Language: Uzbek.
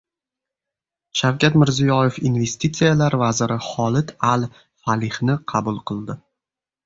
Shavkat Mirziyoyev investitsiyalar vaziri Holid al-Falihni qabul qildi